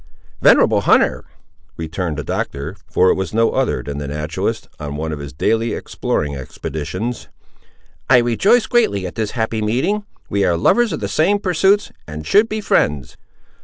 "Venerable hunter," returned the Doctor, for it was no other than the naturalist on one of his daily exploring expeditions, "I rejoice greatly at this happy meeting; we are lovers of the same pursuits, and should be friends."